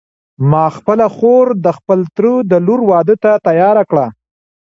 ما خپله خور د خپل تره د لور واده ته تیاره کړه.